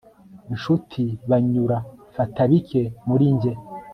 Nshuti banyura fata bike muri njye